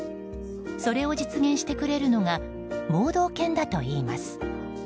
それを実現してくれるのが盲導犬だといいます。